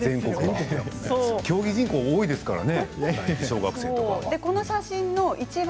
競技人口が多いですからね